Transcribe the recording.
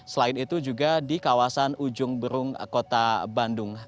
selain itu juga di kawasan ujung berung kota bandung